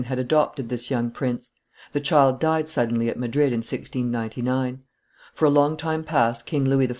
had adopted this young prince; the child died suddenly at Madrid in 1699. For a long time past King Louis XIV.